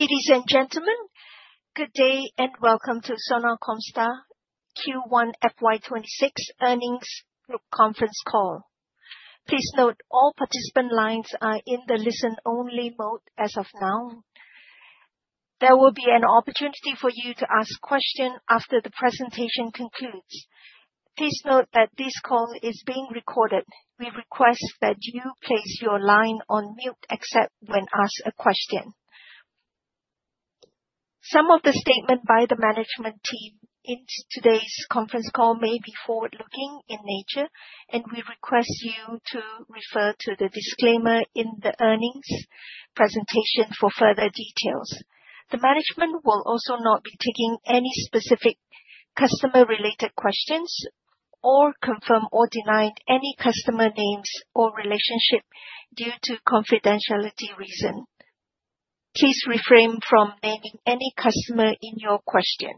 Ladies and gentlemen, good day and welcome to Sona Comstar's Q1 FY 2026 Earnings Group Conference call. Please note all participant lines are in the listen only mode. As of now, there will be an opportunity for you to ask questions after the presentation concludes. Please note that this call is being recorded. We request that you place your line on mute except when asked a question. Some of the statements by the management team in today's conference call may be forward looking in nature and we request you to refer to the disclaimer in the earnings presentation for further details. The management will also not be taking any specific customer related questions or confirm or deny any customer names or relationship due to confidentiality reason. Please refrain from naming any customer in your question.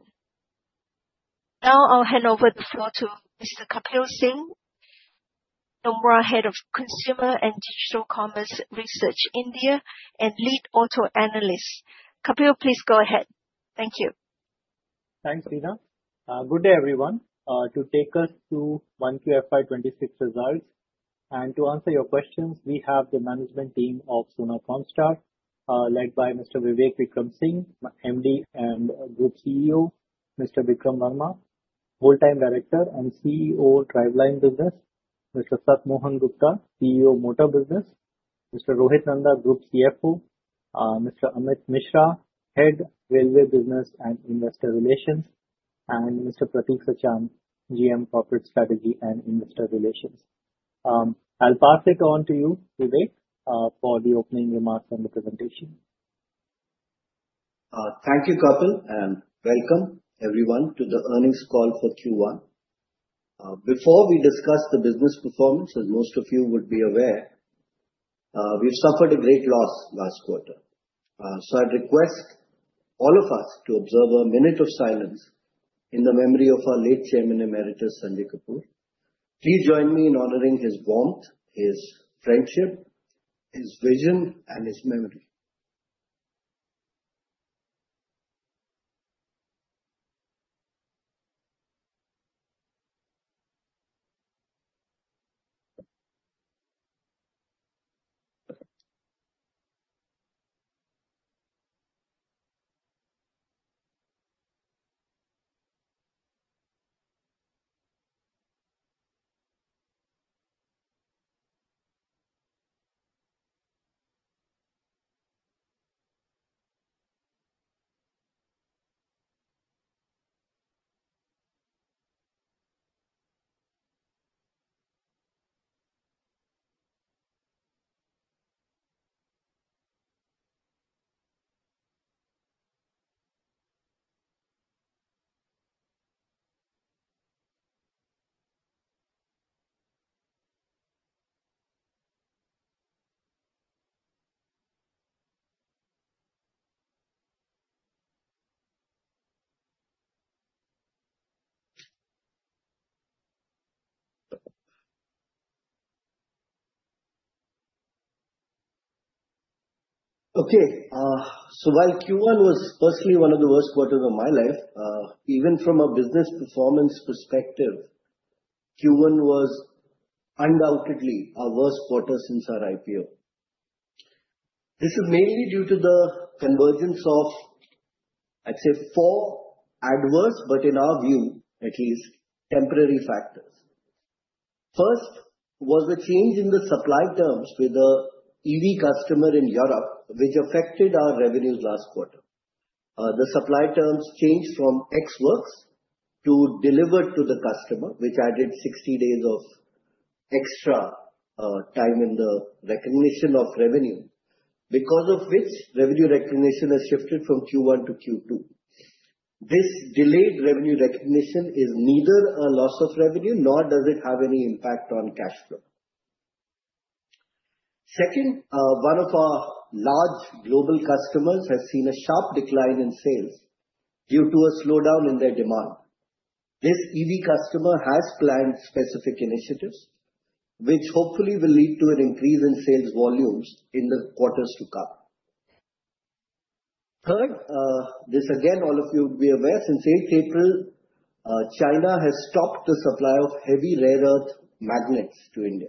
Now I'll hand over the floor to Mr. Kapil Singh, Head of Consumer and Digital Commerce Research India and Lead Auto Analyst. Kapil, please go ahead. Thank you. Thanks, Deanna. Good day, everyone. To take us to 1Q FY 2026 Result and to answer your questions, we have the management team of Sona BLW Precision Forgings Limited led by Mr. Vivek Vikram Singh, MD and Group CEO, Mr. Vikram Verma, Full-Time Director and CEO, Driveline Business, Mr. Sat Mohan Gupta, CEO, Motor Business, Mr. Rohit Nanda, Group CFO, Mr. Amit Mishra, Head, Railway Business and Investor Relations, and Mr. Pratik Sachan, GM, Corporate Strategy and Investor Relations. I'll pass it on to you, Vivek, for the opening remarks on the presentation. Thank you, Kapil. Welcome everyone to the earnings call for Q1. Before we discuss the business performance, as most of you would be aware, we've suffered a great loss last quarter. I request all of us to observe a minute of silence in the memory of our late Chairman Emeritus, Sanjay Kapoor. Please join me in honoring his warmth, his friendship, his vision, and his memory. While Q1 was personally one of the worst quarters of my life. Even from a business performance perspective, Q1 was undoubtedly our worst quarter since our IPO. This is mainly due to the convergence of, I'd say, four adverse but, in our view, at least temporary factors. First was the change in the supply terms with the EV customer in Europe, which affected our revenues. Last quarter, the supply terms changed from ex-works to delivered to the customer, which added 60 days of extra time in the recognition of revenue, because of which revenue recognition has shifted from Q1-Q2. This delayed revenue recognition is neither a loss of revenue nor does it have any impact on cash flow. Second, one of our large global customers has seen a sharp decline in sales due to a slowdown in their demand. This EV customer has planned specific initiatives, which hopefully will lead to an increase in sales volumes in the quarters to come. Third, as all of you would be aware, since the 8th of April, China has stopped the supply of heavy rare earth magnets to India.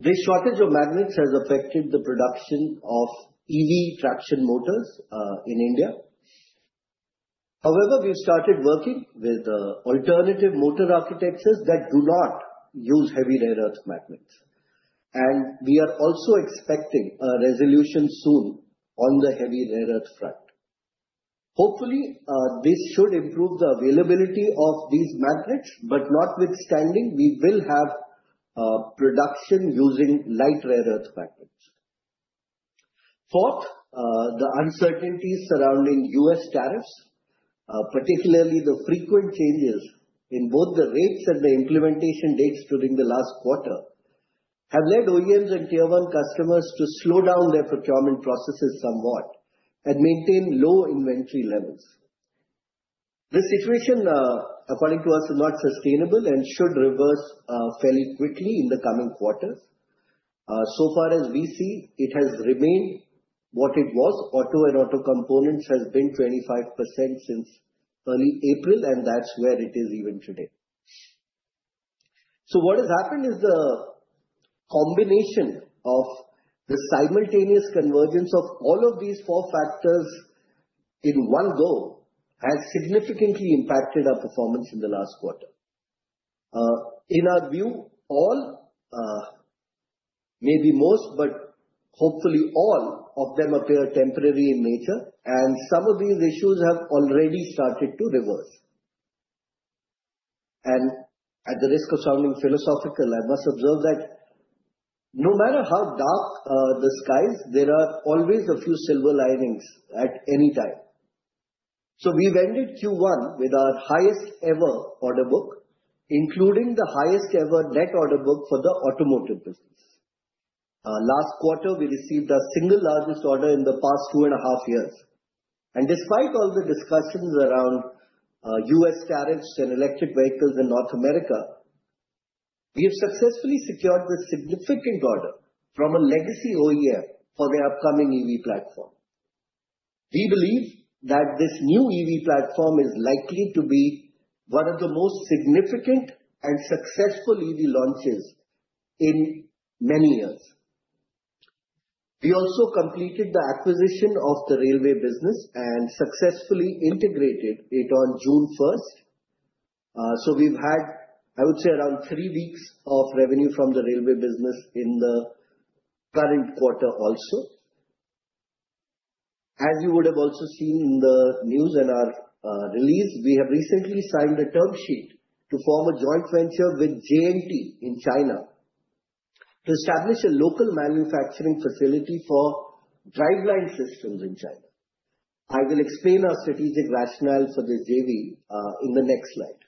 This shortage of magnets has affected the production of EV traction motors in India. However, we started working with alternative motor architectures that do not use heavy rare earth magnets, and we are also expecting a resolution soon on the heavy rare earth front. Hopefully, this should improve the availability of these magnets, but notwithstanding, we will have production using light rare earth magnets. The uncertainties surrounding U.S. tariffs, particularly the frequent changes in both the rates and the implementation dates during the last quarter, have led OEMs and Tier 1 customers to slow down their procurement processes somewhat and maintain low inventory levels. This situation, according to us, is not sustainable and should reverse fairly quickly in the coming quarters. As far as we see, it has remained what it was. Auto and auto components has been 25% since early April, and that's where it is even today. What has happened is the combination of the simultaneous convergence of all of these four factors in one go has significantly impacted our performance in the last quarter. In our view, all, maybe most, but hopefully all of them appear temporary in nature and some of these issues have already started to reverse. At the risk of sounding philosophical, I must observe that no matter how dark the skies, there are always a few silver linings at any time. We've ended Q1 with our highest ever order book, including the highest ever net order book for the automotive business. Last quarter we received our single largest order in the past two and a half years and despite all the discussions around U.S. tariffs and electric vehicles in North America, we have successfully secured a significant order from a legacy OEM for the upcoming EV platform. We believe that this new EV platform is likely to be one of the most significant and successful EV launches in many years. We also completed the acquisition of the railway business and successfully integrated it on June 1. We've had, I would say, around three weeks of revenue from the railway business in the current quarter. Also, as you would have seen in the news and our release, we have recently signed a term sheet to form a joint venture with JNT in China to establish a local manufacturing facility for driveline systems in China. I will explain our strategic rationale for this JV in the next slide.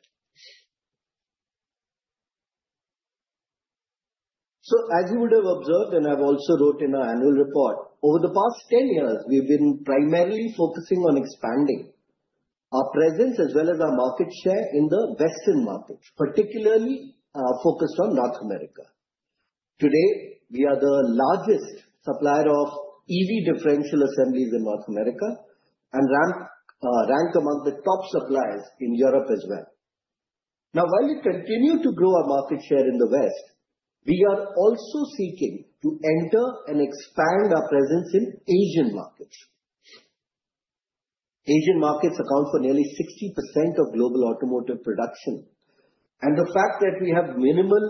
As you would have observed and I have also written in our annual report, over the past 10 years we've been primarily focusing on expanding our presence as well as our market share in the Western markets, particularly focused on North America. Today we are the largest supplier of EV differential assemblies in North America and ranked among the top suppliers in Europe as well. While we continue to grow our market share in the West, we are also seeking to enter and expand our presence in Asian markets. Asian markets account for nearly 60% of global automotive production and the fact that we have minimal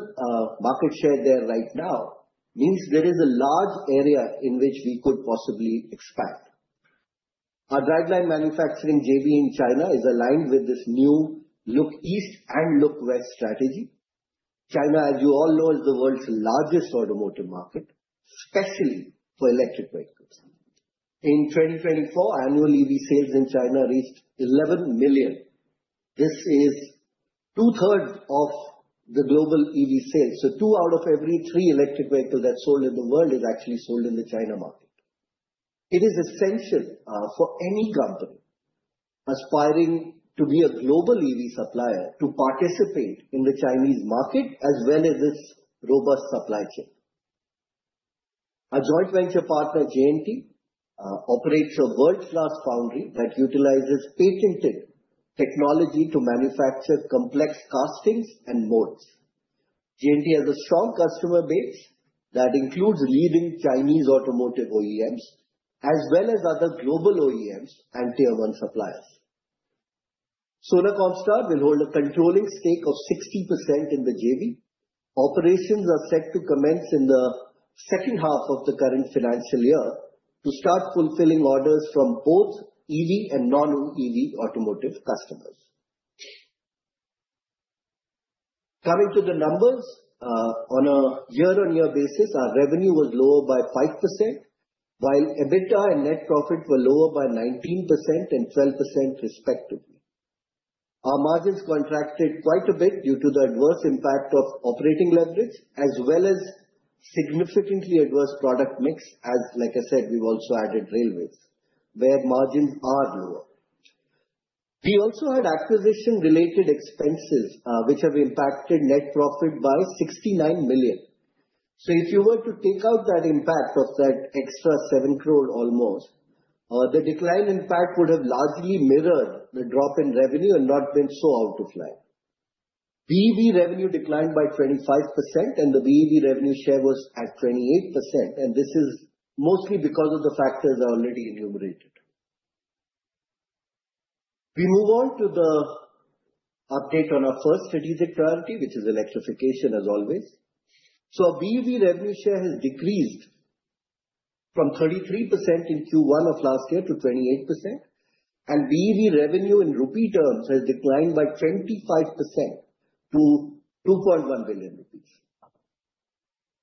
market share there right now means there is a large area in which we could possibly expand our driveline manufacturing. The JV in China is aligned with this new look east and look west strategy. China, as you all know, is the world's largest automotive market, especially for electric vehicles. In 2024, annual EV sales in China reached 11 million. This is two thirds of the global EV sales. Two out of every three electric vehicles that's sold in the world is actually sold in the China market. It is essential for any company aspiring to be a global EV supplier to participate in the Chinese market as well as its robust supply chain. Our joint venture partner JNT operates a world-class foundry that utilizes patented technology to manufacture complex castings and molds. JNT has a strong customer base that includes leading Chinese automotive OEMs as well as other global OEMs and Tier 1 customers. Sona Comstar will hold a controlling stake of 60% in the JV. Operations are set to commence in the second half of the current financial year to start fulfilling orders from both EV and non-EV automotive customers. Coming to the numbers, on a year-on-year basis, our revenue was lower by 5% while EBITDA and net profit were lower by 19% and 12% respectively. Our margins contracted quite a bit due to the adverse impact of operating leverage as well as significantly adverse product mix. As I said, we've also added railway business where margins are lower. We also had acquisition-related expenses which have impacted net profit by 69 million. If you were to take out that impact for said extra 7 crore almost, the decline in fact would have largely mirrored the drop in revenue and not been so out of line. BEV revenue declined by 25% and the BEV revenue share was at 28%. This is mostly because of the factors already enumerated. We move on to the update on our first strategic priority, which is electrification as always. BEV revenue share has decreased from 33% in Q1 of last year to 28% and BEV revenue in rupee terms has declined by 25% to 2.1 billion rupees.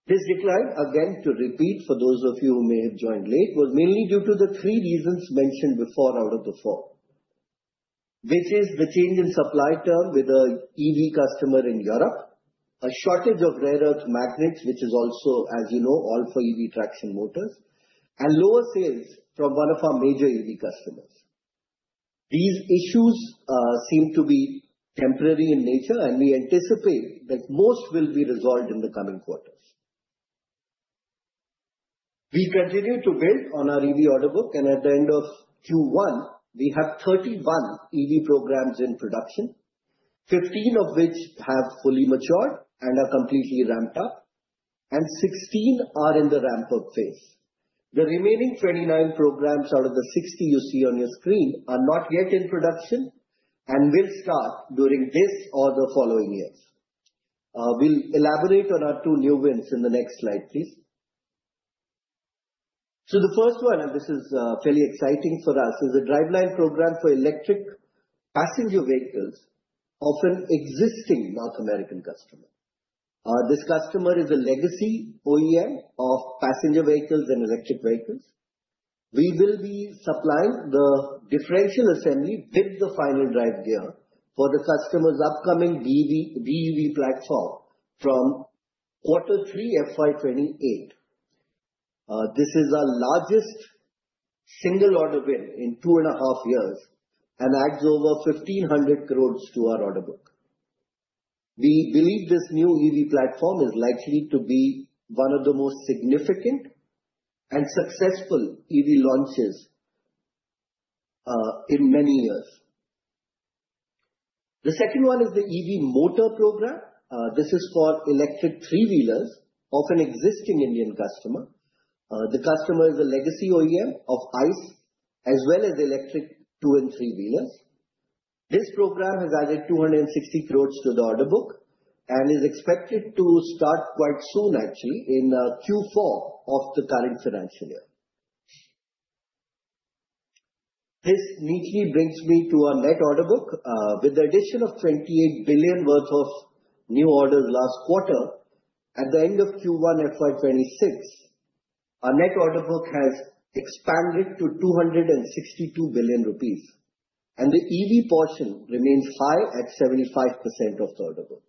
This decline, again, to repeat for those of you who may have joined late, was mainly due to the three reasons mentioned before out of the four, which is the change in supply term with the EV customer in Europe, a shortage of rare earth magnets which is also, as you know, all for EV traction motors, and lower sales from one of our major EV customers. These issues seem to be temporary in nature and we anticipate that most will be resolved in the coming quarters. We continue to build on our EV order book and at the end of Q1 we have 31 EV programs in production, 15 of which have fully matured and are completely ramped up and 16 are in the ramp-up phase. The remaining 29 programs out of the 60 you see on your screen are not yet in production and will start during this or the following years. We'll elaborate on our two new wins in the next slide, please. The first one, and this is fairly exciting for us, is a driveline program for electric passenger vehicles, of an existing North American customer. This customer is a legacy OEM of passenger vehicles and electric vehicles. We will be supplying the differential assembly with the final drive gear for the customer's upcoming platform from Q3 FY 2028. This is our largest single order in two and a half years and adds over 15 billion to our order book. We believe this new EV platform is likely to be one of the most significant and successful EV launches in many years. The second one is the EV motor program. This is for electric three wheelers of an existing Indian customer. The customer is the legacy OEM of ICE as well as electric two and three wheelers. This program has added 2.6 billion to the order book and is expected to start quite soon, actually in Q4 of the current financial year. This neatly brings me to our net order book with the addition of 28 billion worth of new orders last quarter. At the end of Q1 FY 2026, our net order book has expanded to 262 billion rupees and the EV portion remains high at 75% of the order book.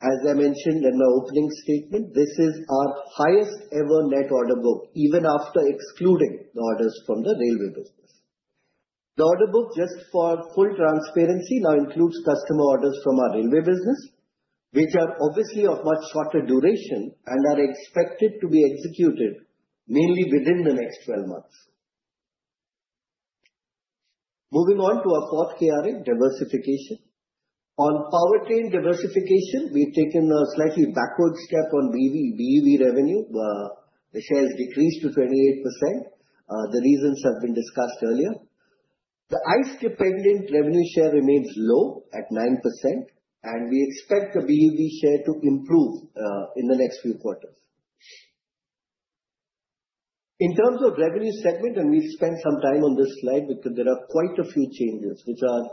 As I mentioned in my opening statement, this is our highest ever net order book even after excluding the orders from the railway business. The order book, just for full transparency, now includes customer orders from our railway business which are obviously of much shorter duration and are expected to be executed mainly within the next 12 months. Moving on to our fourth KRA diversification, on forward diversification, we've taken a slightly backward step on BEV revenue assurance, decreased to 28%. The reasons have been discussed earlier. The ICE revenue share remains low at 9% and we expect the BEV share to improve in the next few quarters in terms of revenue segment. We spend some time on this slide because there are quite a few changes which are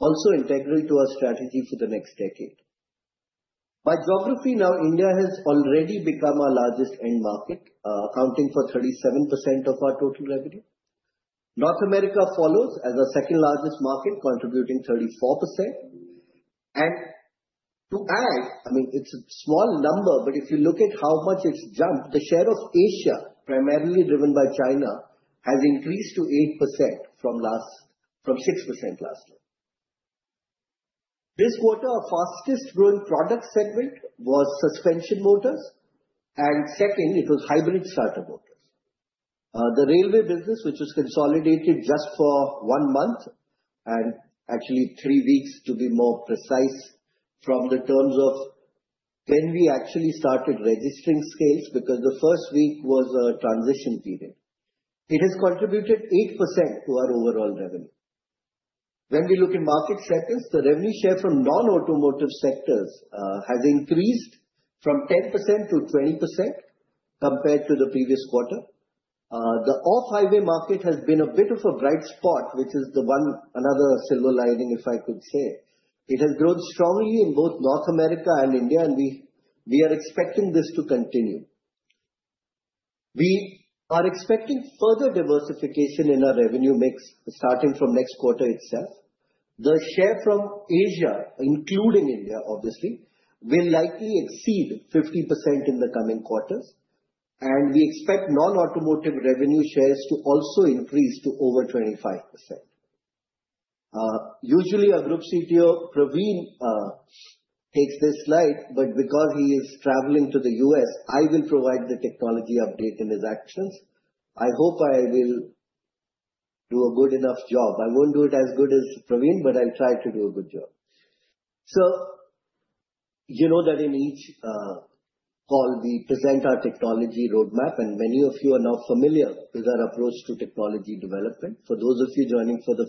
also integral to our strategy for the next decade. By geography now, India has already become our largest end market, accounting for 37% of our total revenue. North America follows as the second largest market, contributing 34%, and it's a small number but if you look at how much it's jumped, the share of Asia, primarily driven by China, has increased to 8% from 6% last year. This quarter, our fastest growing product segment was suspension motors and second, it was hybrid startup. The railway business, which was consolidated just for one month, and actually three weeks to be more precise from the terms of when we actually started registering sales because the first week was a transition period, has contributed 8% to our overall revenue. When we look in market settings, the revenue share for non-automotive sectors has increased from 10% to 20% compared to the previous quarter. The off-highway market has been a bit of a bright spot, which is another silver lining if I could say. It has grown strongly in both North America and India, and we are expecting this to continue. We are expecting further diversification in our revenue mix starting from next quarter. It says the share from Asia, including India obviously, will likely exceed 50% in the coming quarters and we expect non-automotive revenue shares to also increase to over 25%. Usually, our Group CTO Praveen takes this slide, but because he is traveling to the U.S., I will provide the technology update. In his absence, I hope I will do a good enough job. I won't do it as well as Praveen, but I'll try to do a good job. You know that in each call we present our technology roadmap, and many of you are now familiar with our approach to technology development. For those of you joining for the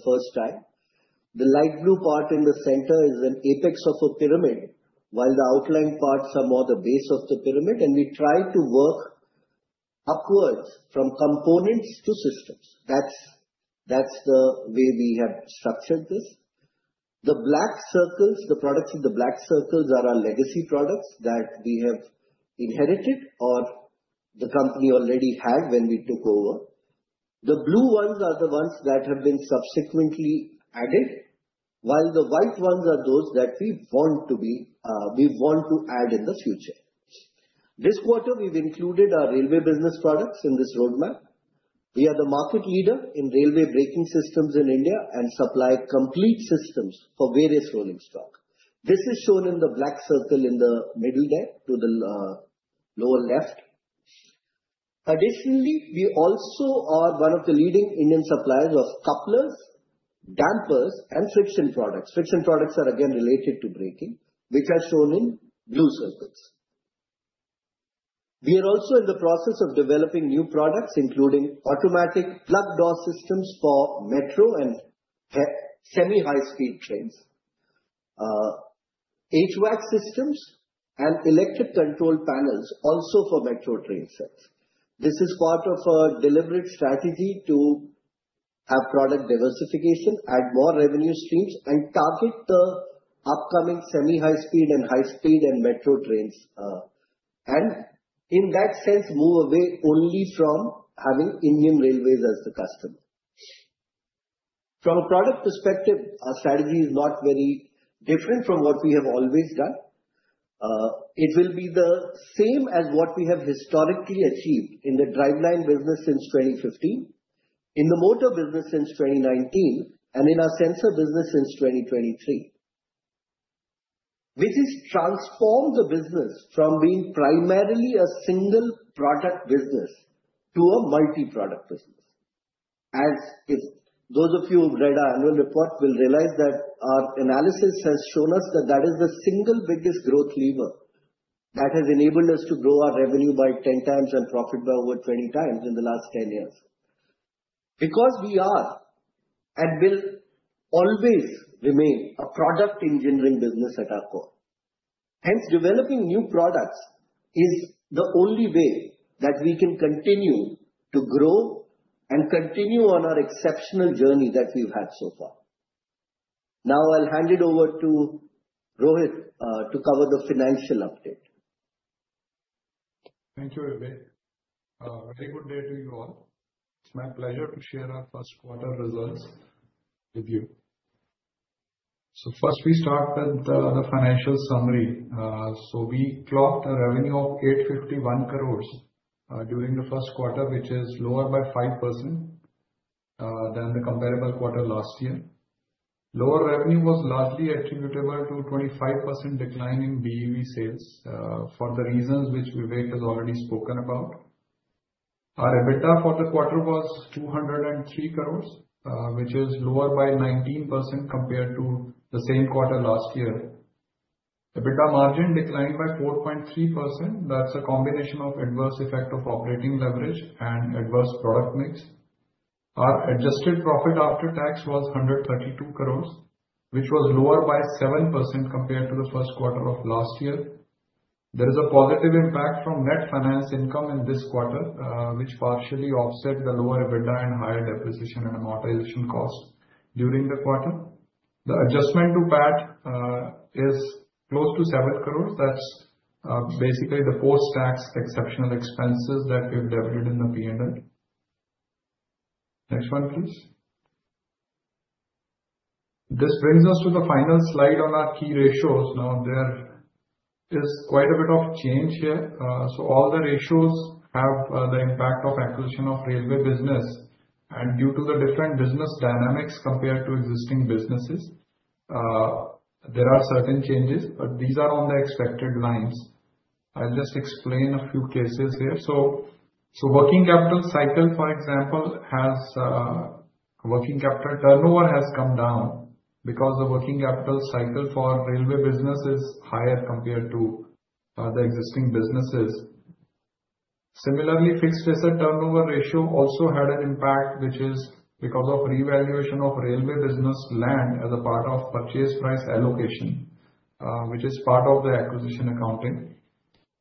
first time, the light blue part in the center is an apex of a pyramid, while the outlined parts are more the base of the pyramid. We try to work from components to systems. That's the way we have structured this. The black circles, the products in the black circles are our legacy products that we have inherited or the company already had when we took over. The blue ones are the ones that have been subsequently added, while the white ones are those that we want to add in the future. This quarter, we've included our railway business products in this roadmap. We are the market leader in railway braking systems in India and supply complete systems for various rolling stock. This is shown in the black circle in the middle there to the lower left. Additionally, we also are one of the leading Indian suppliers of couplers, dampers, and friction products. Friction products are again related to braking, which are shown in blue circles. We are also in the process of developing new products including automatic plug door systems for Metro and semi high-speed trains, HVAC systems, and electric control panels also for Metro train sets. This is part of a deliberate strategy for our product diversification to add more revenue streams and target the upcoming semi high speed, high speed, and Metro trains. In that sense, we move away only from having Indian railways as the customer. From a product perspective, our strategy is not very different from what we have always done. It will be the same as what we have historically achieved in the driveline business since 2015, in the motor business since 2019, and in our sensor business since 2023, which is transforming the business from being primarily a single product business to a multi-product business. As those of you who read our annual report will realize, our analysis has shown us that is the single biggest growth lever that has enabled us to grow our revenue by 10 times and profit by over 20 times in the last 10 years. We are and will always remain a product engineering business at our core. Hence, developing new products is the only way that we can continue to grow and continue on our exceptional journey that we've had so far. Now I'll hand it over to Rohit to cover the financial update. Thank you. Very good day to you all. It's my pleasure to share our first quarter results with you. First, we start with the financial summary. We clocked a revenue of 851 crore during the first quarter, which is lower by 5% than the comparable quarter last year. Lower revenue was largely attributable to a 25% decline in BEV sales for the reasons which Vivek has already spoken about. Our EBITDA for the quarter was 203 crore, which is lower by 19% compared to the same quarter last year. EBITDA margin declined by 4.3%. That's a combination of adverse effect of operating leverage and adverse product mix. Our adjusted profit after tax was 132 crore, which was lower by 7% compared to the first quarter of last year. There is a positive impact from net finance income in this quarter, which partially offset the lower EBITDA and higher depreciation and amortization cost during the quarter. The adjustment to PAT is close to 7 crore. That's basically the forex exceptional expenses that we have debited in the P&L. Next one please. This brings us to the final slide on our key ratios. There is quite a bit of change here. All the ratios have the impact of acquisition of railway business. Due to the different business dynamics compared to existing businesses, there are certain changes. These are on the expected lines. I'll just explain a few cases here. Working capital turnover has come down because the working capital cycle for railway business is higher compared to the existing businesses. Similarly, fixed asset turnover ratio also had an impact, which is because of revaluation of railway business land as a part of purchase price allocation, which is part of the acquisition accounting.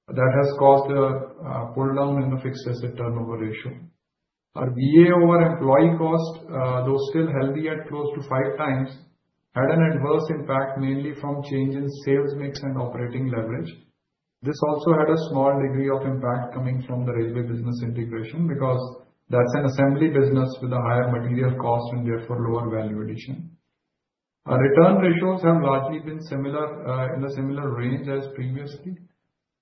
That has caused a pull down in the fixed asset turnover ratio. Our VA over employee cost, though still healthy at close to 5 times, had an adverse impact mainly from change in sales mix and operating leverage. This also had a small degree of impact coming from the railway business integration because that's an assembly business with a higher material cost and therefore lower value. Additions have largely been in a similar range as previously,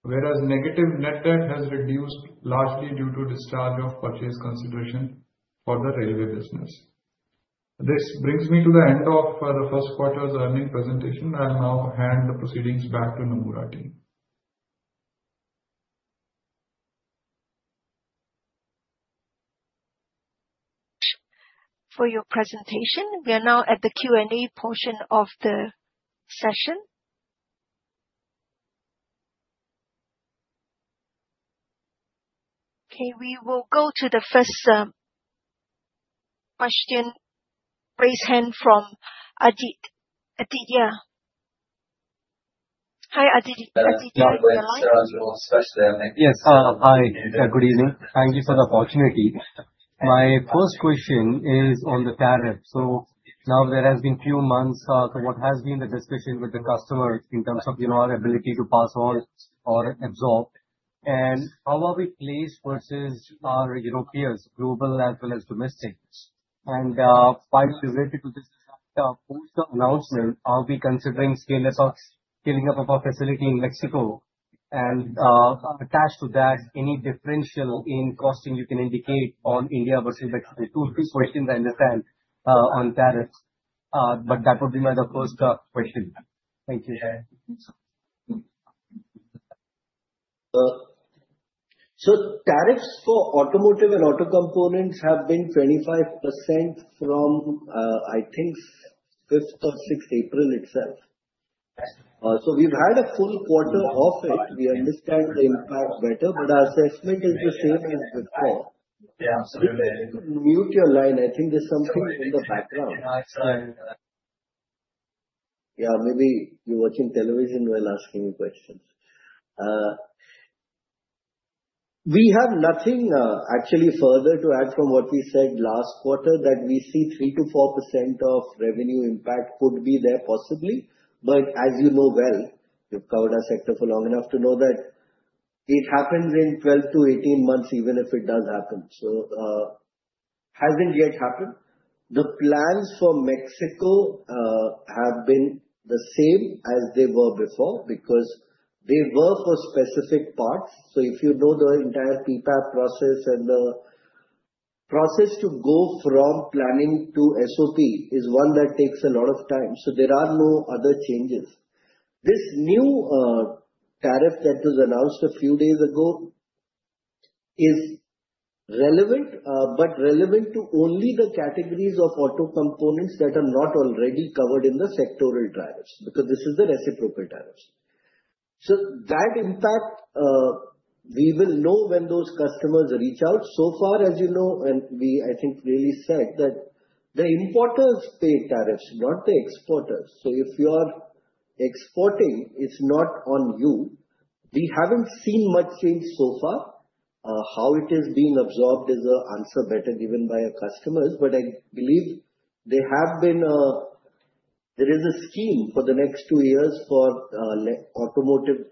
whereas negative net debt has reduced largely due to discharge of purchase consideration for the railway business. This brings me to the end of the first quarter's earning presentation. I'll now hand the proceedings back to Nomura. For your presentation. We are now at the Q&A portion of the session. Okay, we will go to the first question, raise hand from Aditya. Hi Aditya. Yes, hi, good evening. Thank you for the opportunity. My first question is on the tariff. There has been a few months, what has been the discussion with the customer in terms of, you know, our ability to pass orders or absorb, and how are we placed versus our peers, global as well as domestic? Related to this, post announcement, are we considering scaling up of our facility in Mexico, and attached to that, any differential in costing you can indicate on India versus Mexico, two questions I understand on tariffs, but that would be my first question. Thank you. Tariffs for automotive and auto components have been 25% from, I think, April 5th or 6th itself. We've had a full quarter of it. We understand the impact better, but our assessment is the same. I think there's some in the background. Maybe you're watching television while asking questions. We have nothing actually further to add from what we said last quarter that we see 3%-4% of revenue impact could be there possibly, but as you know, you've covered our sector for long enough to know that it happens in 12-18 months, even if it does happen. It hasn't yet happened. The plans for Mexico have been the same as they were before because they were for specific parts. If you know, the entire PPAP process and the process to go from planning to SOP is one that takes a lot of time. There are no other changes. This new tariff that was announced a few days ago is relevant, but relevant to only the categories of auto components that are not already covered in the sectoral drivers because this is the reciprocal tariffs. In fact, we will know when those customers reach out. As you know, and we really said that the importers pay tariffs, not the exporters. If you are exporting, it is not on you. We haven't seen much change so far. How it is being absorbed is an answer better given by our customers. I believe they have been. There is a scheme for the next two years for automotive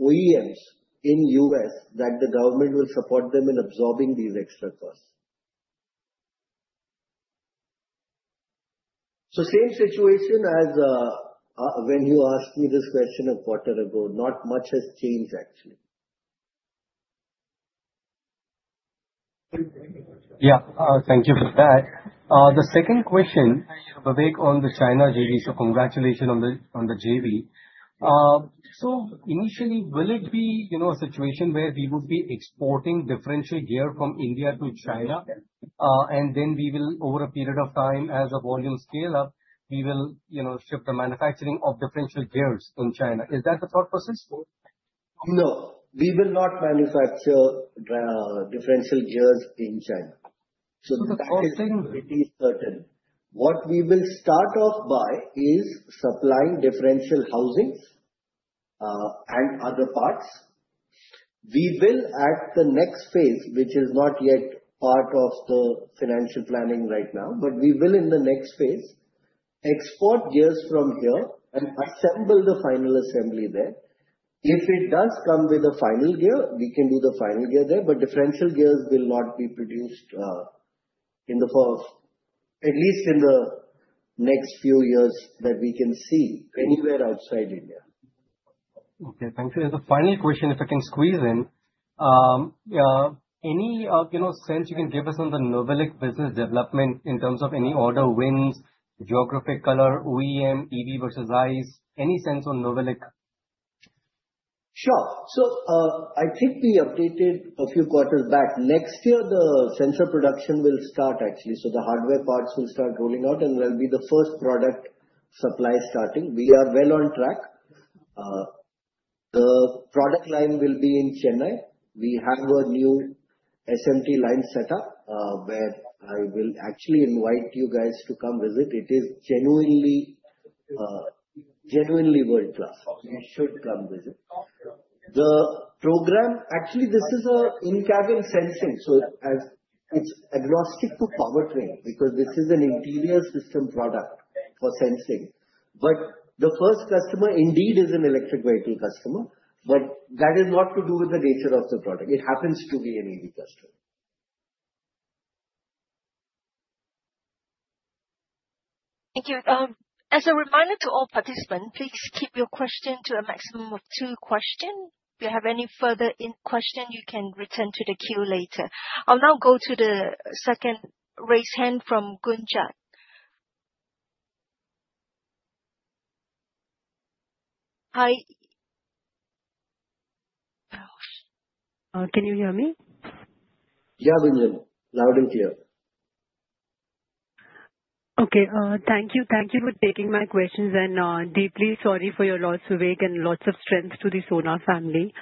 OEMs in the U.S. that the government will support them in absorbing these extra costs. Same situation as when you asked me this question a quarter ago. Not much has changed actually. Yeah, thank you for that. The second question on the China JV. Congratulations on the JV. Initially, will it be a situation where we would be exporting differential gears from India to China, and then over a period of time, as volumes scale up, we will shift the manufacturing of differential gears in China? Is that the thought process? No, we will not manufacture differential gears in China. What we will start off by is supplying differential housings and other parts. We will, at the next phase, which is not yet part of the financial planning right now, but we will in the next phase export gears from here and assemble the final assembly there. If it does come with a final gear, we can do the final year there. Differential gears will not be produced for at least the next few years that we can see anywhere outside India. Okay, thanks for the final question, if I can squeeze in, any sense you can give us on the NOVELIC business development in terms of any order wins, geographic color, OEM, EV versus ICE? Any sense on NOVELIC? Sure. I think we updated a few quarters back. Next year the sensor production will start, actually, so the hardware parts will start rolling out and there'll be the first product supply starting. We are well on track. The product line will be in Chennai. We have a new SMT line setup where I will actually invite you guys to come visit. It is genuinely, genuinely world class. You should come visit the program. Actually, this is an in-cabin sensory, so as it's agnostic for powertrain because this is an interior system product for sensing. The first customer indeed is an electric vehicle customer, but that is not to do with the nature of the product. It happens to be an EV cluster. Thank you. As a reminder to all participants, please keep your question to a maximum of two questions. If you have any further question, you can return to the queue later. I'll now go to the second raised hand from Gunjan. Hi, can you hear me? Okay, thank you. Thank you for taking my questions and deeply sorry for your loss and lots of strength to the Sona family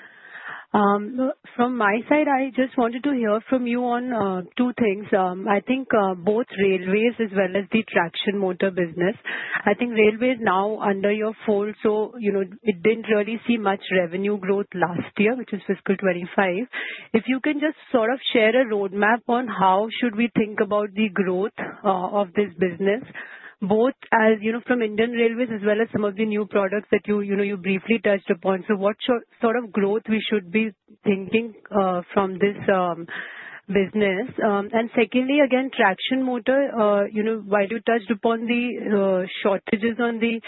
from my side. I just wanted to hear from you on two things. I think both railways as well as the traction motor business. I think railway is now under your fold. It didn't really see much revenue growth last year, which is fiscal 2025. If you can just sort of share a roadmap on how should we think about the growth of this business both from Indian Railways as well as some of the new products that you briefly touched upon. What sort of growth should we be thinking from this business? Secondly, again traction motor, while you touched upon the shortages on the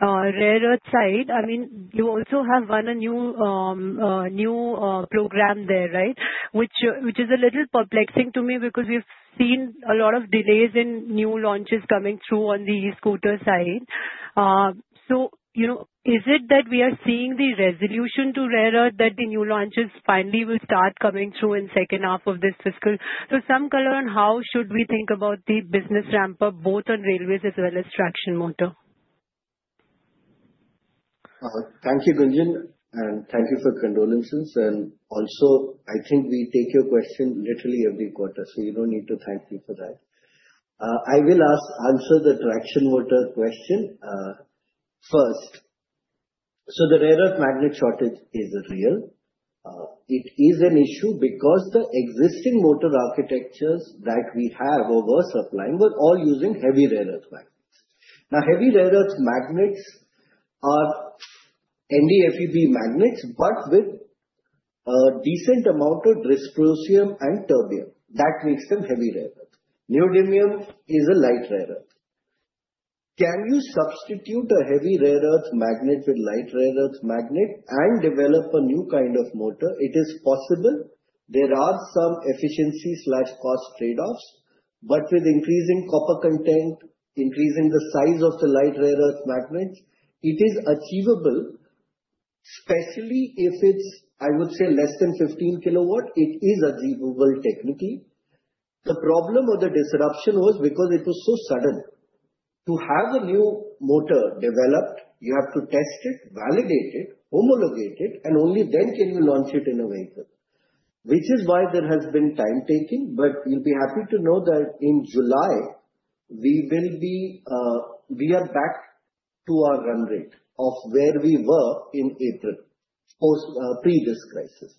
rare earth side, you also have won a new program there, right? Which is a little perplexing to me because we've seen a lot of delays in new launches coming through on the scooter side. Is it that we are seeing the resolution to rare earth, that the new launches finally will start coming through in the second half of this fiscal? Some color on how should we think about the business ramp up both on railways as well as traction motor. Thank you, Gunjan, and thank you for condolences. I think we take your question literally every quarter, so you don't need to thank me for that. I will answer the traction motor question first. The rare earth magnet shortage is real. It is an issue because the existing motor architectures that we have or were supplying were all using heavy rare earth magnets. Now, heavy rare earth magnets are NdFeB magnets but with a decent amount of dysprosium and terbium that makes them heavy. Rather, neodymium is a light rare earth. Can you substitute a heavy rare earth magnet with a light rare earth magnet and develop a new kind of motor? It is possible. There are some efficiency, slight cost tradeoffs, but with increasing copper content, increasing the size of the light rare earth magnets, it is achievable, especially if it's, I would say, less than 15 kW. It is achievable. Technically, the problem or the disruption was because it was so sudden to have a new motor developed. You have to test it, validate it, homologate it, and only then can you launch it in a vehicle, which is why there has been time taking. You'll be happy to know that in July we will be, we are back to our run rate of where we were in April post previous crisis.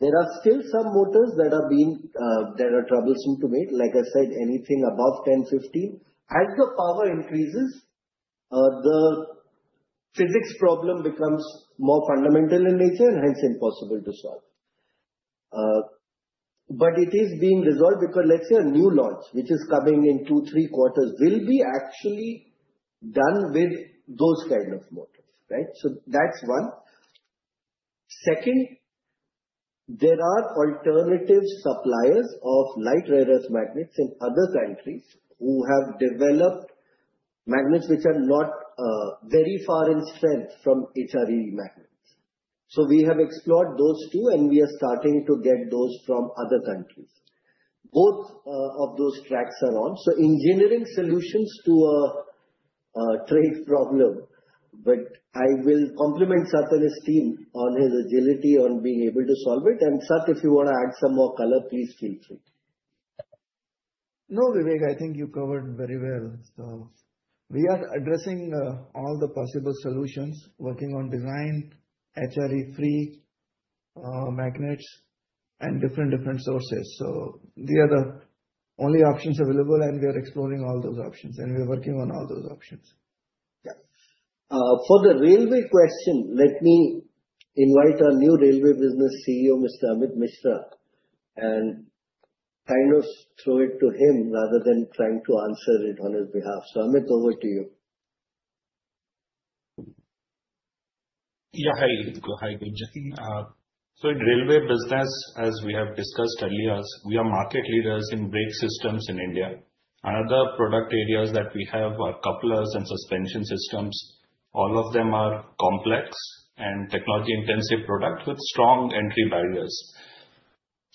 There are still some motors that have been, that are troublesome to meet. Like I said, anything above 10-15 kW. As the power increases, the physics problem becomes more fundamental in nature and hence impossible to solve. It is being resolved because a new launch which is coming in 2-3 quarters will be actually done with those kind of motors. There are alternative suppliers of light rare earth magnets in other countries who have developed magnets which are not very far in strength from HRE magnets. We have explored those too, and we are starting to get those from other countries. Both of those tracks are on, so engineering solutions to a trade problem. I will compliment Sat and his team on his agility on being able to solve it. Sat, if you want to add some more color, please change it. No, Vivek, I think you covered very well. We are addressing all the possible solutions, working on design, HRE-free magnets, and different, different sources. These are the only options available, and we are exploring all those options. We are working on all those Options. For the railway question, let me invite our new Railway Business CEO, Mr. Amit Mishra, and throw it to him rather than trying to answer it on his behalf. Amit, over to you. Yeah. Hi. In railway business, as we have discussed earlier, we are market leaders in brake systems in India. Another product areas that we have are couplers and suspension systems. All of them are complex and technology intensive product with strong entry barriers.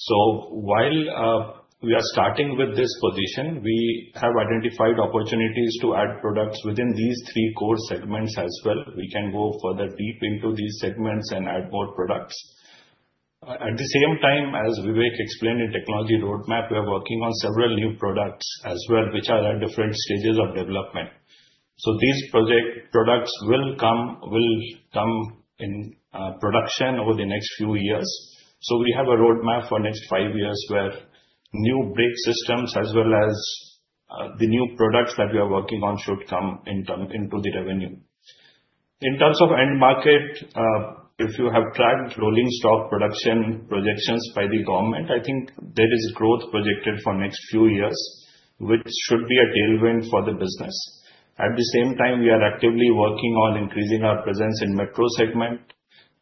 While we are starting with this position, we have identified opportunities to add products within these three core segments as well. We can go further deep into these segments and add more products at the same time. As Vivek explained in Technology Roadmap, we are working on several new products as well which are at different stages of development. These products will come in production over the next few years. We have a roadmap for next five years where new brake systems as well as the new products that we are working on should come into the revenue. In terms of end market, if you have tracked rolling stock production projections by the government, I think there is growth projected for next few years which should be a tailwind for the business. At the same time, we are actively working on increasing our presence in metro segment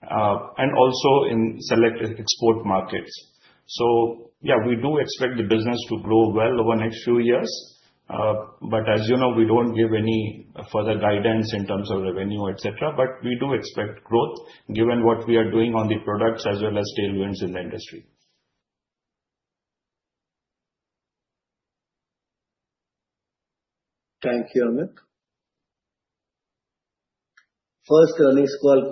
and also in select export markets. We do expect the business to grow well over next few years. As you know, we don't give any further guidance in terms of revenue etc. We do expect growth given what we are doing on the products as well as tailwinds in the industry. Thank you, Amit. First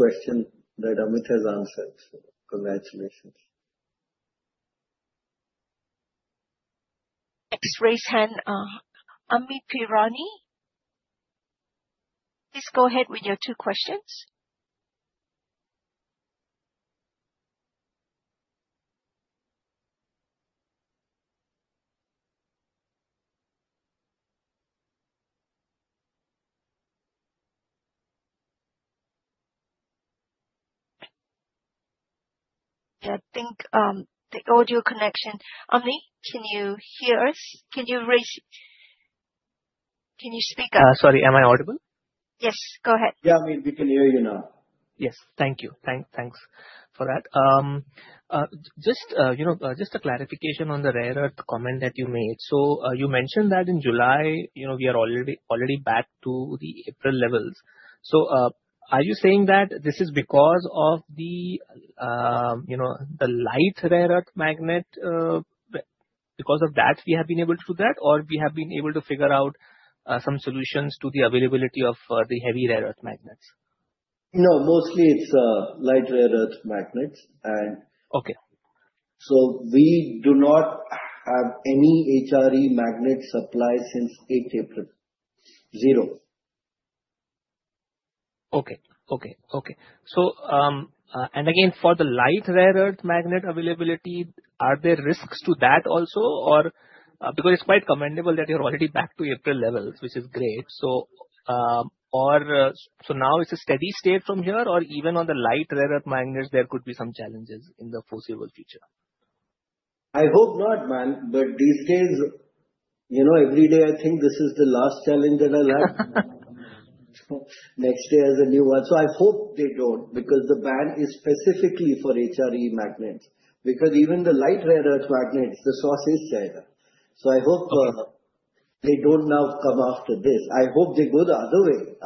question that Amit has answered. Congratulations. Raise hand. Amyn Pirani, please go ahead with your two questions. I think the audio connection. Amyn, can you hear us? Can you raise? Can you speak? Sorry, am I audible? Yes, go ahead. Yeah, I mean, we can hear you now. Yes, thank you. Thanks. Thanks for that. Just a clarification on the rare earth comment that you made. You mentioned that in July, we are already back to the April levels. Are you saying that this is because of the light rare earth magnet? Because of that, we have been able to do that, or we have been able to figure out some solutions to the availability of the heavy rare earth magnets? No, mostly it's light rare earth magnets, and okay, so we do not have any HRE magnet supply since April 8th. Zero. Okay, okay, okay. For the light rare earth magnet availability, are there risks to that also? It's quite commendable that you're already back to April levels, which is great. Is it a steady state from here, or even on the light rare earth magnets? There could be some challenges in the foreseeable future. I hope not, man, but these days, every day I think this is the last challenge that I'll have. Next year is a new one. I hope they don't because the ban is specifically for HRE magnets, because even the light rare earth magnets, the source is sad. I hope they don't now come after this. I hope they go the other way.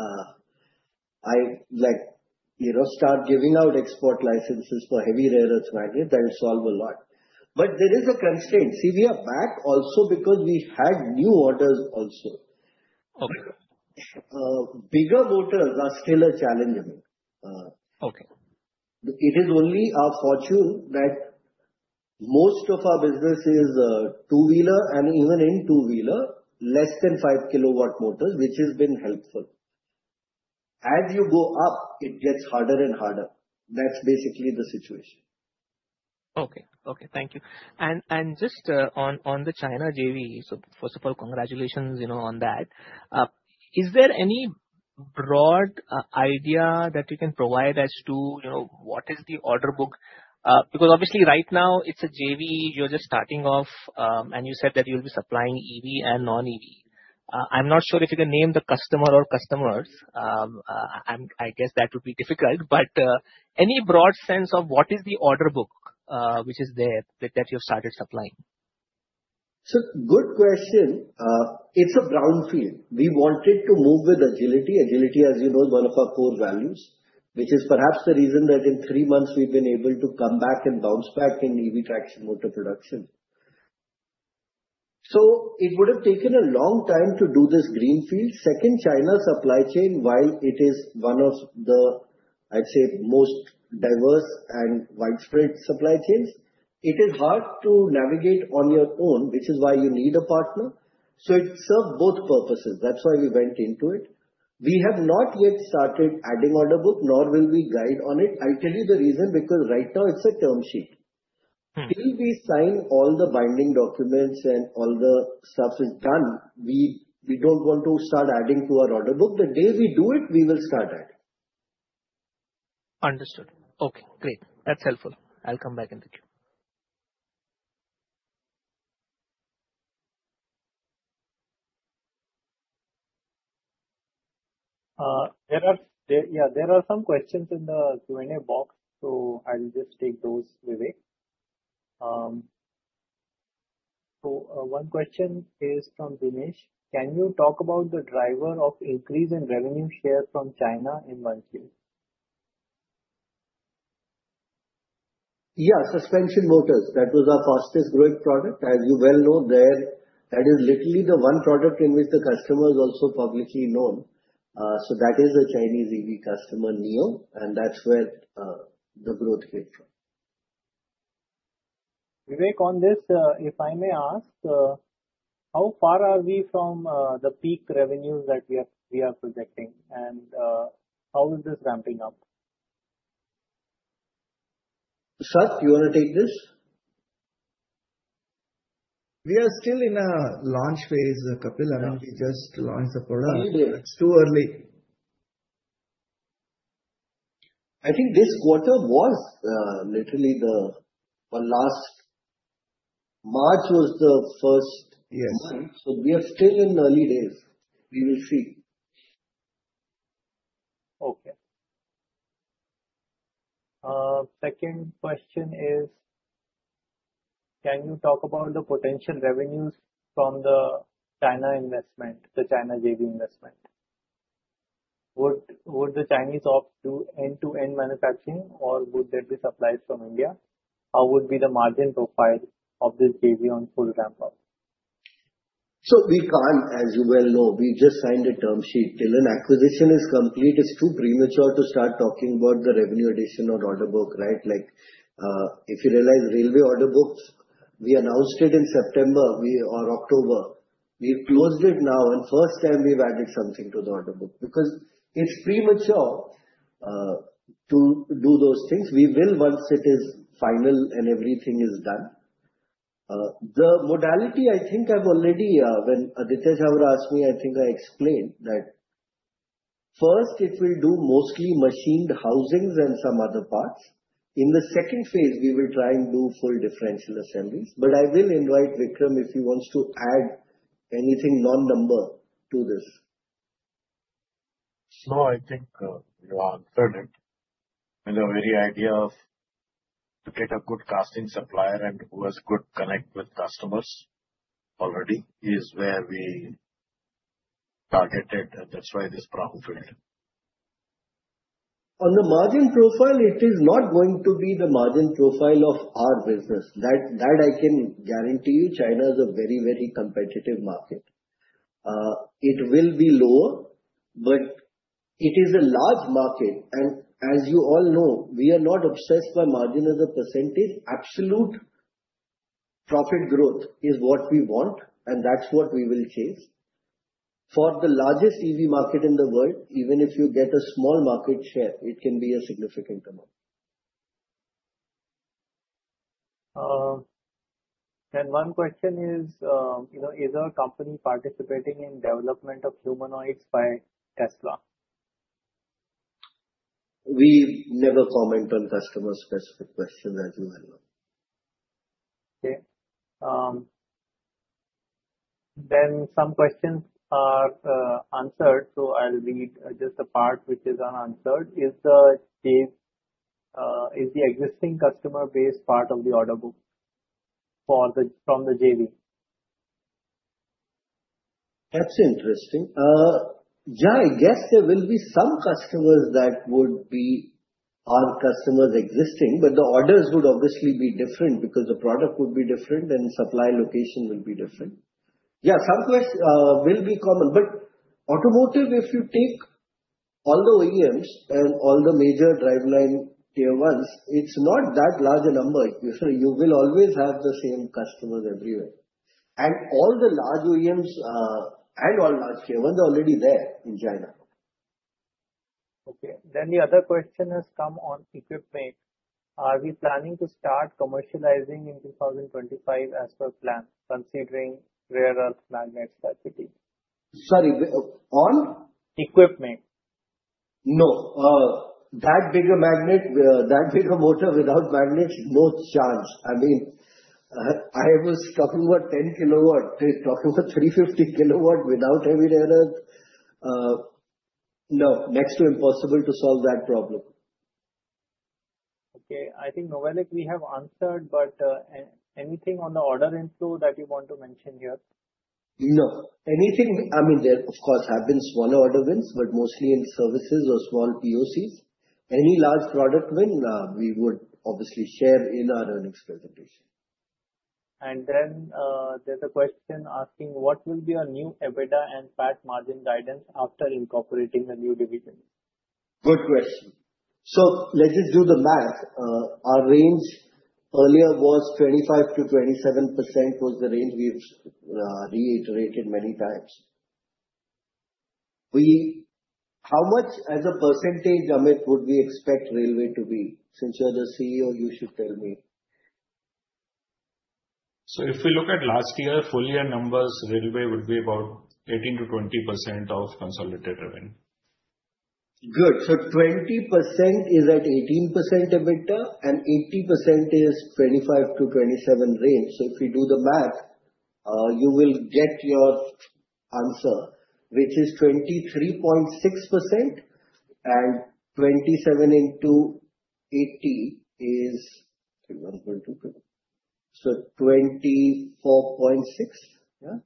I like, you know, start giving out export licenses for heavy rare earth magnets and solve a lot. There is a constraint. See, we are back also because we had new orders, also bigger motor, still a challenge. Okay. It is only our fortune that most of our business is a two wheeler, and even in two wheeler, less than 5 kilowatt motor, which has been helpful. As you go up, it gets harder and harder. That's basically the situation. Okay. Okay, thank you. And. On the China JV, first of all, congratulations on that. Is there any broad idea that you can provide as to what is the order book? Because obviously right now it's a JV, you're just starting off and you said that you'll be supplying EV and non-EV. I'm not sure if you can name the customer or customers. I guess that would be difficult, but any broad sense of what is the order book which is there? You've started supplying, So good question. It's a brownfield. We wanted to move with agility. Agility, as you know, is one of our core values, which is perhaps the reason that in three months we've been able to come back and bounce back in EV traction motor production. It would have taken a long time to do this greenfield. Second, China supply chain. While it is one of the, I'd say, most diverse and widespread supply chains, it is hard to navigate on your own, which is why you need a partner. It serves both purposes. That's why we went into it. We have not yet started adding order book nor will we guide on it. I'll tell you the reason, because right now it's a term sheet. We will sign all the binding documents and all the stuff in China. We don't want to start adding to our order book. The day we do it, we will start that. Understood. Okay, great, that's helpful. I'll come back in the queue. There are some questions in the Q&A box, so I'll just take those away. One question is from Dinesh. Can you talk about the driver of increase in revenue share from China in one case? Yeah, suspension motors. That was our fastest growing product, as you well know there, and is literally the one product in which the customer is also publicly known. That is the Chinese EV customer Nio, and that's where the growth hits. Vivek, on this, if I may ask, how far are we from the peak revenues that we are seeing? We are projecting, and how is this ramping up? You want to take this? We are still in a launch phase, Kapil. We just launched the product. It's too early. I think this quarter was literally the last. March was the first. We are still in early days. We will see. Okay. Second question is, can you talk about the potential revenues from the China investment, the China JV investment? Would the Chinese opt to end-to-end manufacturing or would there be supplies from India? How would be the margin profile of this JV on full ramp up? We can't. As you well know, we just signed a term sheet. Until an acquisition is complete, it's too premature to start talking about the revenue addition or order book. Right. Like if you realize, railway order books, we announced it in September or October. We closed it now, and first time we've added something to the order book because it's premature to do those things. We will once it is final and everything is done. The modality, I think I've already, when Aditya Jhawar asked me, I think I explained that first it will do mostly machined housings and some other parts. In the second phase, we will try and do full differential assemblies. I will invite Vikram if he wants to add anything non-number to this. No, I think you answered it. The very idea of getting a good casting supplier who has good connect with customers already is where we targeted. That's why this profile on the margin profile, it is not going to be the margin profile of our business. That I can guarantee you. China is a very, very competitive market. It will be lower, but it is a large market. As you all know, we are not obsessed by margin as a percentage. Absolute profit growth is what we want, and that's what we will chase for the largest EV market in the world. Even if you get a small market share, it can be a significant amount. Is either company participating in development of Humanoids by Tesla? We never comment on customer specific questions. Okay, then some questions are answered. I'll read just a part which is unanswered. Is the existing customer base part of the order book from the JV? That's interesting, Jai. Guess there will be some customers that would be our customers existing, but the orders would obviously be different because the product would be different and supply location will be different. Yeah, some of us will be common, but automotive, if you take all the OEMs and all the major driveline Tier 1s, it's not that large a number. You will always have the same customers everywhere. All the large OEMs and all large Tier 1s are already there in China. Okay, the other question has come on equipment. Are we planning to start commercializing in 2025 as per plan considering rare earth magnet that kicking? Sorry, on equipment, no. That big a magnet, that big a motor without magnet, more chance. I mean, I was talking about 10 kW. Talking about 350 kW without heavy error? No, next to impossible to solve that problem. Okay, I think Noelic we have answered, but anything on the order inflow that you want to mention here? No, anything? I mean, there of course have been smaller order wins, but mostly in services or small POCs. Any large product win we would obviously share in our earnings presentation. There is a question asking what will be your new EBITDA and PAT margin guidance after incorporating the new dividend. Good question. Let's just do the math. Our range earlier was 25%-27%. That was the range we've reiterated many times. How much as a percentage, Amit, would we expect railway to be? Since you're the CEO, you should tell me. If we look at last year. Full year numbers, railway would be about 18%-20% of consolidated revenue. Good. 20% is at 18% EBITDA and 80% is 25%-27% range. If we do the math, you will get your answer, which is 23.6%, and 27 into 80 is 24.6%. Yeah,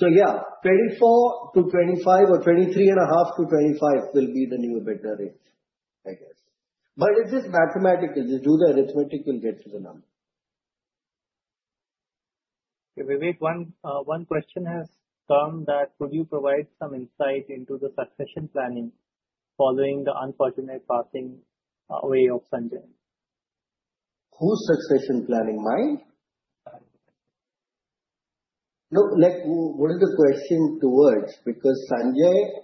24%-25% or 23.5%-25% will be the new EBITDA range, I guess. It's just mathematical. Just do the arithmetic, you'll get the number. One question has come that could you provide some insight into the succession planning following the unfortunate passing away of Sanjay? Whose succession planning? No, let the question towards because Sanjay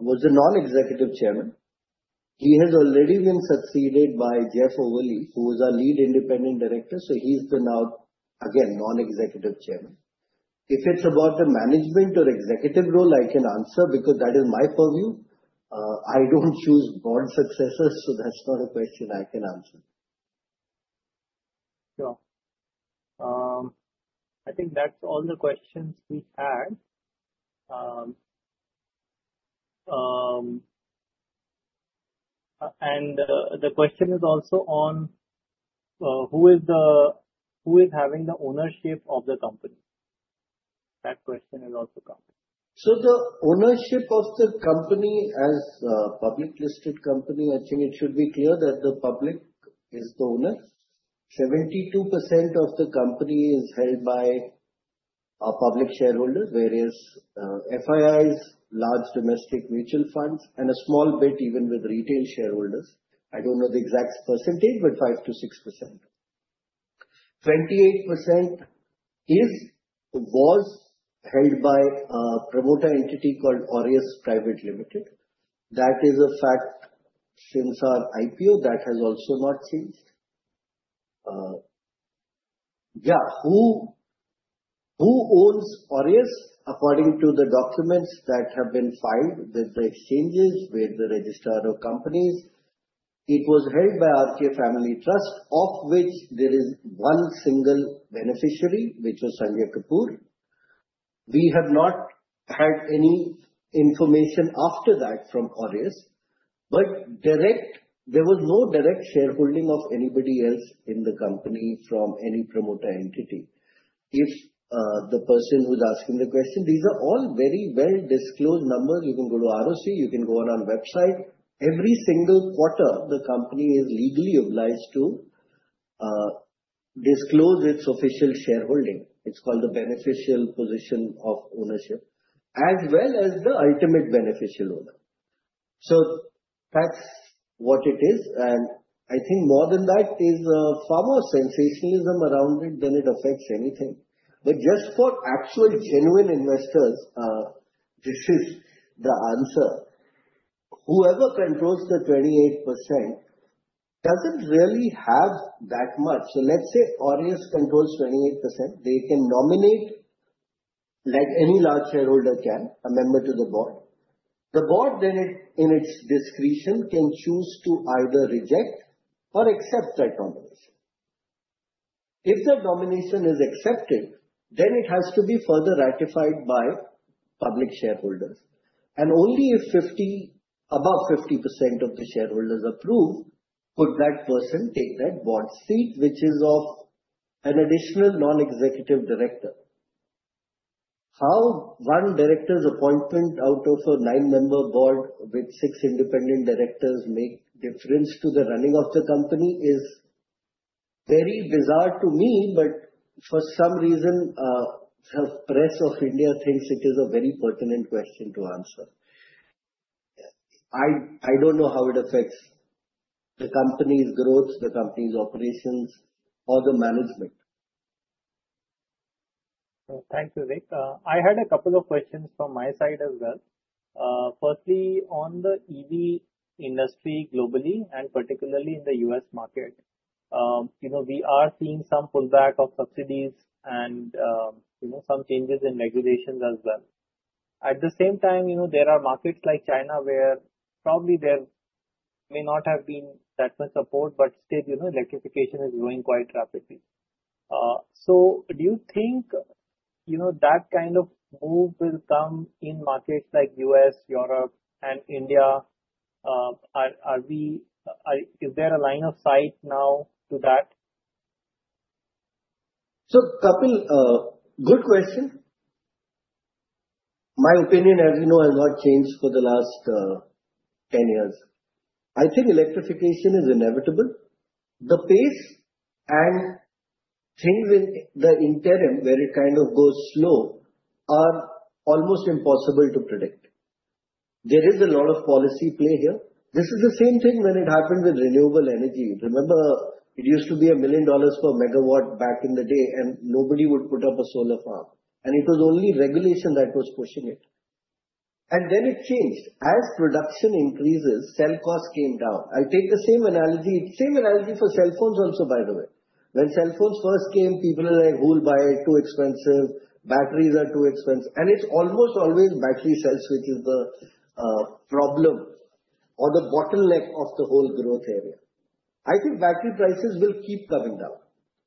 was a Non-Executive Chairman, he has already been succeeded by Jeff Overly who is our Lead Independent Director. He is now again Non-Executive Chairman. If it's about the management or executive role, I can answer because that is my purview. I don't choose board successors. That's not a question I can answer. Sure. I think that's all the questions we had. The question is also on who is having the ownership of the company. That question will also come. Ownership of the company as publicly listed company. I think it should be clear that the public is the owner. 72% of the company is held by a public shareholder, whereas FIIs, large domestic mutual funds, and a small bit even with retail shareholders. I don't know the exact percentage, but 5 to 6%. 28% was held by a promoter entity called Aureus Private Limited. That is a fact since our IPO; that has also not changed. Yeah, who owns Aureus? According to the documents that have been filed with the exchanges with the Registrar of Companies, it was held by RK Family Trust, of which there is one single beneficiary, which was Sanjay Kapoor. We have not had any information after that from Aureus, but direct. There was no direct shareholding of anybody else in the company from any promoter entity. If the person who's asking the question, these are all very well disclosed numbers, you can go to ROC, you can go on our website. Every single quarter the company is legally obliged to disclose its official shareholding. It's called the beneficial position of ownership as well as the ultimate beneficial owner. That's what it is. I think more than that is far more sensationalism around it than it affects anything. Just for actual genuine investors, this is the answer. Whoever controls the 28% really has that much. Let's say Aureus controls 28%. They can nominate, like any large shareholder can, a member to the board. The board then, in its discretion, can choose to either reject or accept that nomination. If that nomination is accepted, then it has to be further ratified by public shareholders. Only if above 50% of the shareholders approve could that person take that board seat, which is of an additional non-executive director. How one director's appointment out of a nine-member board with six independent directors makes a difference to the running of the company is very bizarre to me. For some reason, Press of India thinks it is a very pertinent question to answer. I don't know how it affects the company's growth, the company's operations, or the management. Thanks, Vivek. I had a couple of questions from my side as well. Firstly, on the EV industry globally and particularly the U.S. market, you know we are seeing some pullback of subsidies and some changes in regulations as well. At the same time, there are markets like China where probably there may not have been that much support, but still electrification is going quite rapidly. Do you think that kind of move will come in markets like the U.S., Europe, and India? Is there a line of sight now to that? Good question. My opinion, as you know, I've not changed for the last 10 years. I think electrification is inevitable. The phase and things in the interim where it kind of goes slow are almost impossible to predict. There is a lot of policy play here. This is the same thing when it happened with renewable energy. Remember it used to be $1 million per MW back in the day and nobody would put up a solar farm, and it was only regulation that was pushing it. It changed. As production increases, cell costs came down. I take the same analogy. Same analogy for cell phones also, by the way. When cell phones first came, people were like, who will buy, too expensive? Batteries are too expensive. It's almost always battery cells which are the problem or the bottleneck of the whole growth area. I think battery prices will keep coming down.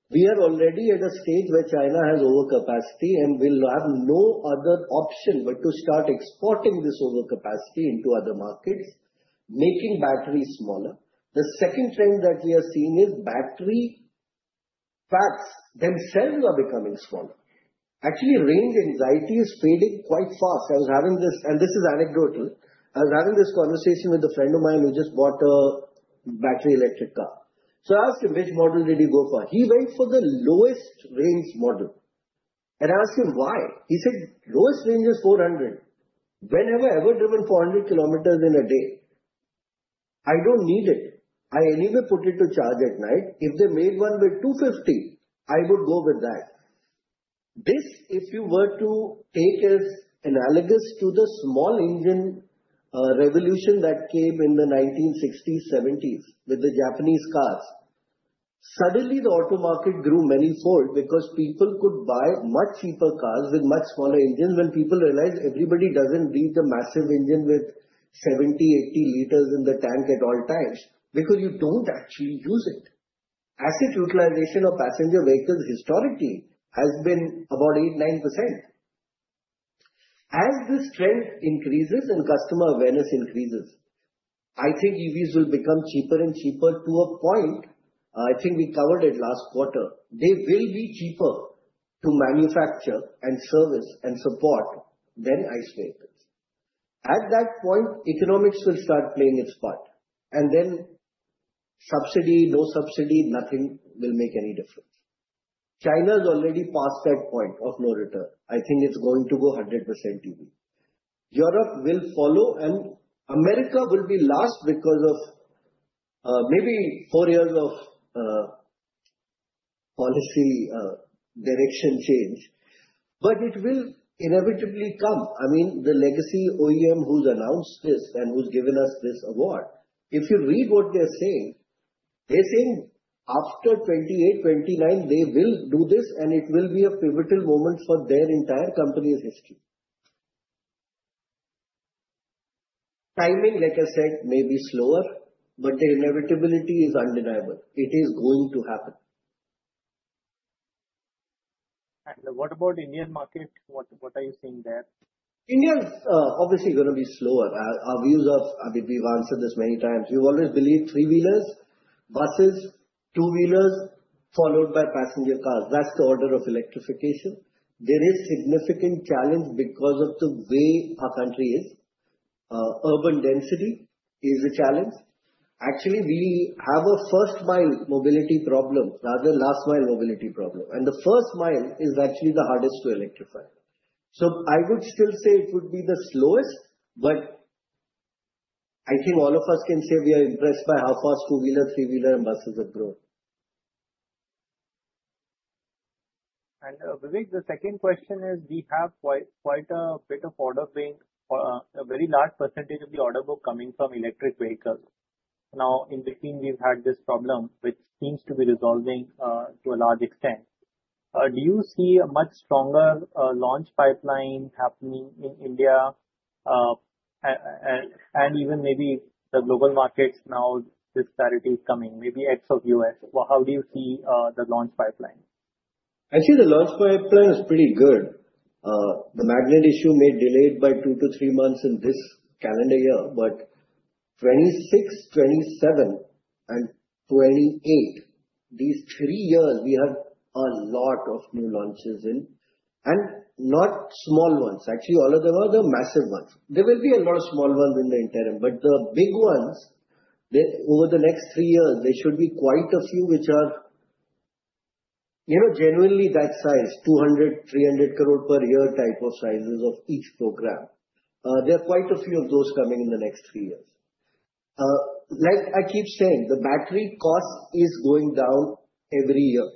We are already at a stage where China has overcapacity and will have no other option but to start exporting this overcapacity into other markets, making batteries smaller. The second thing that we are seeing is battery packs themselves are becoming smaller. Actually, range anxiety is fading quite fast. I was having this, and this is anecdotal, I was having this conversation with a friend of mine who just bought a battery electric car. I asked him which model did he go for. He went for the lowest range model and I asked him why. He said lowest range is 400 km. Whenever have I ever driven 400 km in a day? I don't need it. I anyway put it to charge at night. If they made one with 250 km, I would go with that. This, if you were to take as analogous to the small engine revolution that came in the 1960s and 1970s with the Japanese cars. Suddenly the auto market grew many fold because people could buy much cheaper cars with much smaller engines when people realize everybody doesn't need a massive engine with 70, 80 liters in the tank at all times because you don't actually use it. Asset utilization of passenger vehicles historically has been about 8%, 9%. As this trend increases and customer awareness increases, I think EVs will become cheaper and cheaper to a point. I think we covered it last quarter. They will be cheaper to manufacture and service and support than ICE vehicles. At that point, economics will start playing its part. Subsidy, no subsidy, nothing will make any difference. China is already past that point of no return. I think it's going to go 100% even. Europe will follow, and America will be last because of maybe four years of policy direction change. It will inevitably come. I mean, the legacy OEM who's announced this and who's given us this award, if you read what they're saying, they're saying after 2028, 2029 they will do this, and it will be a pivotal moment for their entire company's history. Timing, like I said, may be slower, but the inevitability is undeniable. It is going to happen. What about Indian market? What are you seeing there? India is obviously going to be slower. Our views of, I mean, we've answered this many times. You already believe three wheelers, buses, two wheelers followed by passenger cars. That's the order of electrification. There is significant challenge because of the way our country is. Urban density is a challenge. Actually, we have a first mile mobility problem rather than last mile mobility problem. The first mile is actually the hardest to electrify. I would still say it would be the slowest. I think all of us can say we are impressed by how fast two wheeler, three wheeler and buses have grown. Vivek, the second question is we have quite a bit of order being a very large percentage of the order book coming from electric vehicles. Now in 2015 we've had this problem which seems to be resolving to a large extent. Do you see a much stronger launch pipeline happening in India and even maybe the global markets now this parity is coming, maybe excluding the U.S.? How do you see the launch pipeline? Actually, the launch pipeline is pretty good. The magnet issue may delay it by two to three months in this calendar year. For 2026, 2027, and 2028, these three years, we had a lot of new launches in, and not small ones, actually all of them are the massive ones. There will be a lot of small ones in the interim, but the big ones over the next three years, there should be quite a few which are, you know, genuinely that size, 2.0 billion, 3.0 billion per year type of sizes of each program. There are quite a few of those coming in the next three years. Like I keep saying, the battery cost is going down every year,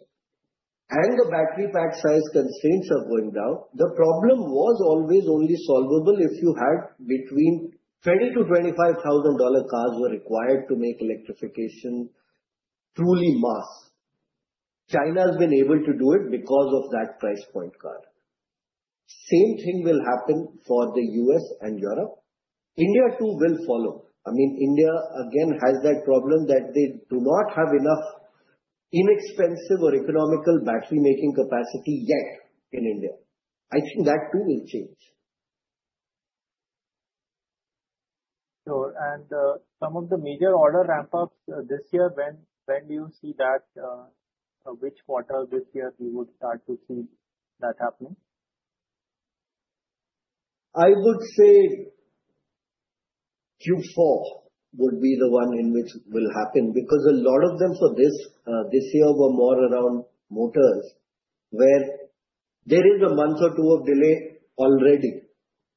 and the battery pack size constraints are going down. The problem was always only solvable if you had between $20,000-$25,000 cars were required to make electrification truly mass. China has been able to do it because of that price-point car. The same thing will happen for the U.S. and Europe. India too will follow. I mean, India again has that problem that they do not have enough inexpensive or economical battery making capacity yet in India. I think that too will change. Sure, and some of the major order ramp-ups this year, when do you see that? Which quarter this year we would start to see that happening? I would say Q4 would be the one in which it will happen because a lot of them for this year were more around motors, where there is a month or two of delay already.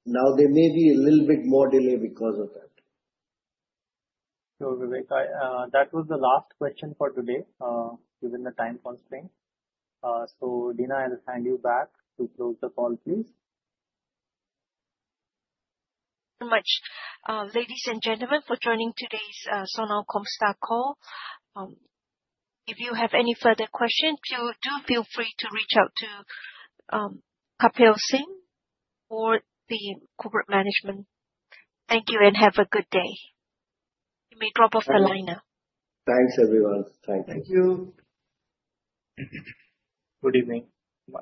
There may be a little bit more delay because of that. That was the last question for today given the time constraint. Deanna, I'll hand you back to close the call, please. Thank you very much, ladies and gentlemen, for joining today's Sona Comstar Call. If you have any further questions, do feel free to reach out to Kapil Singh for the corporate management. Thank you and have a good day. You may drop off the line. Thanks, everyone. Thank you. Thank you. Good evening.